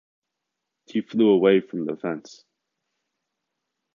He flew away from the fence.